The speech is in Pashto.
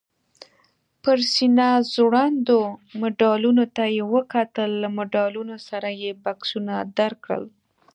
پر سینه ځوړندو مډالونو ته یې وکتل، له مډالونو سره یې بکسونه درکړل؟